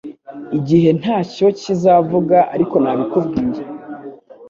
Igihe ntacyo kizavuga ariko nabikubwiye.